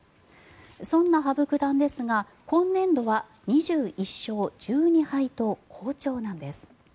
そんな羽生九段ですが今年度は２１勝１２敗と好調なんです。